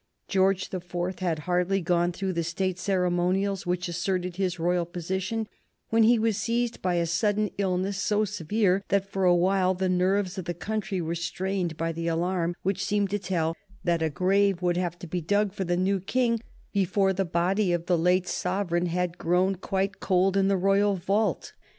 George the Fourth had hardly gone through the State ceremonials which asserted his royal position when he was seized by a sudden illness so severe that, for a while, the nerves of the country were strained by the alarm which seemed to tell that a grave would have to be dug for the new King before the body of the late sovereign had grown quite cold in the royal vault.